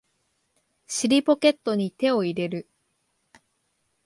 尻ポケットに手を入れる